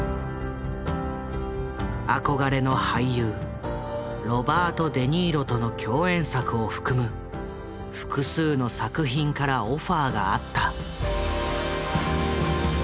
憧れの俳優ロバート・デ・ニーロとの共演作を含む複数の作品からオファーがあった。